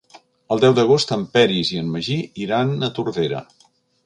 El deu d'agost en Peris i en Magí iran a Tordera.